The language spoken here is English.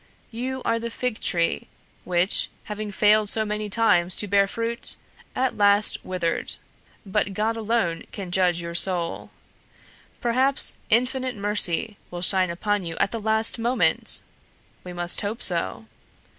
You are the fig tree which, having failed so many times to bear fruit, at last withered, but God alone can judge your soul. Perhaps Infinite Mercy will shine upon you at the last moment! We must hope so.